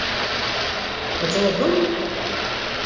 Ad truḥem?